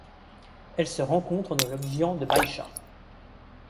Elle se rencontre dans le xian de Baisha.